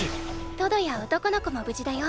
トドや男の子も無事だよ。